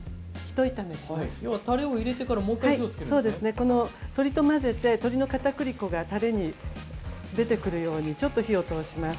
この鶏と混ぜて鶏のかたくり粉がタレに出てくるようにちょっと火を通します。